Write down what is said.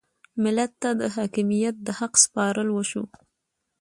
ملت ته د حاکمیت د حق سپارل وشو.